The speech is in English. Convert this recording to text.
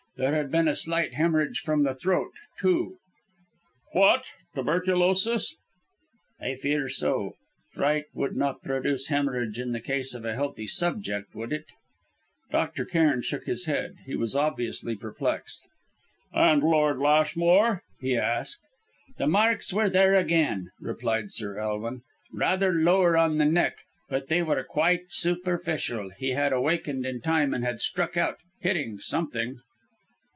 There had been a slight hemorrhage from the throat, too." "What! Tuberculous?" "I fear so. Fright would not produce hemorrhage in the case of a healthy subject, would it?" Dr. Cairn shook his head. He was obviously perplexed. "And Lord Lashmore?" he asked. "The marks were there again," replied Sir Elwin; "rather lower on the neck. But they were quite superficial. He had awakened in time and had struck out hitting something."